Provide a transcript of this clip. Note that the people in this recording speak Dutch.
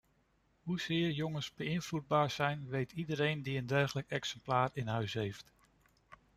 Hoezeer jongens beïnvloedbaar zijn weet iedereen die een dergelijk exemplaar in huis heeft.